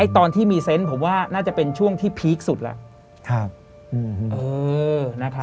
ไอตอนที่มีเซ็นต์ผมว่าน่าจะเป็นช่วงที่พีคสุดล่ะครับอืมอืมเออนะครับ